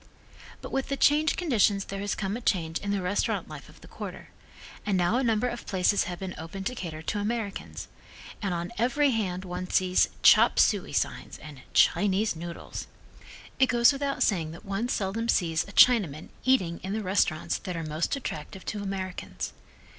But with the changed conditions there has come a change in the restaurant life of the quarter, and now a number of places have been opened to cater to Americans, and on every hand one sees "chop suey" signs, and "Chinese noodles." It goes without saying that one seldom sees a Chinaman eating in the restaurants that are most attractive to Americans.